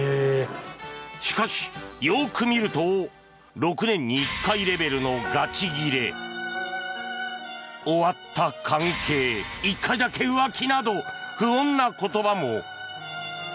しかし、よく見ると６年に１回レベルのガチギレ終わった関係１回だけ浮気など不穏な言葉も。